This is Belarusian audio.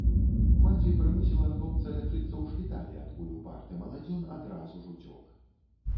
Маці прымусіла хлопца лячыцца ў шпіталі, адкуль упарты маладзён адразу ж уцёк.